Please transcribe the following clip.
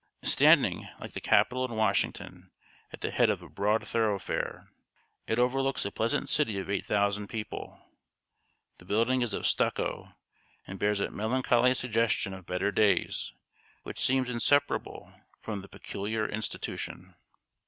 Standing, like the Capitol in Washington, at the head of a broad thoroughfare, it overlooks a pleasant city of eight thousand people. The building is of stucco, and bears that melancholy suggestion of better days which seems inseparable from the Peculiar Institution.